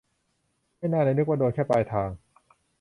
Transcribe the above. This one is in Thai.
ไม่น่านะ นึกว่าโดนแค่ปลายทาง